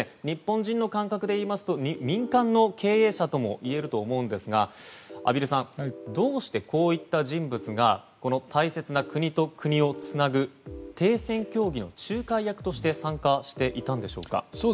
日本人の感覚でいいますと民間の経営者ともいえると思うんですが畔蒜さんどうして、こういった人物が大切な国と国をつなぐ停戦協議の仲介役として参加していたんでしょうか。